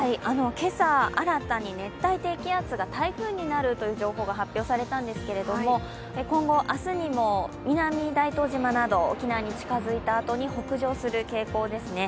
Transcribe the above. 今朝、新たに熱帯低気圧が台風になるという情報が発表されたんですけども、今後、明日にも南大東島など沖縄に近づいたあとに北上する傾向ですね。